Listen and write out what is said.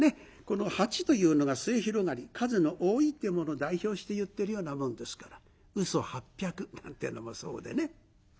この八というのが末広がり数の多いというものを代表していってるようなもんですから「嘘八百」なんてのもそうでね。